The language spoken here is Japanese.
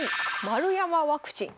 丸山ワクチン⁉